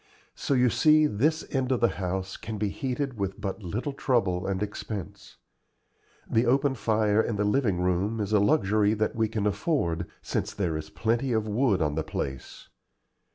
So you see this end of the house can be heated with but little trouble and expense. The open fire in the living room is a luxury that we can afford, since there is plenty of wood on the place.